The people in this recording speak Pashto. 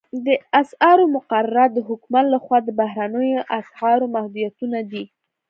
د اسعارو مقررات د حکومت لخوا د بهرنیو اسعارو محدودیتونه دي